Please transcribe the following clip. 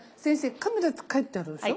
「カメラ」って書いてあるでしょ？